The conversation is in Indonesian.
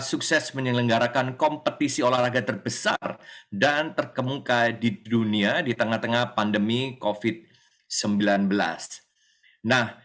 sudah hadir bersama dengan kita